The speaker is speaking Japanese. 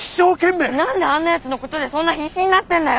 何であんなやつのことでそんな必死になってんだよ！